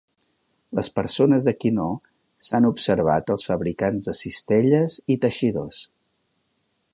Les persones de Quinault s'han observat els fabricants de cistelles i teixidors.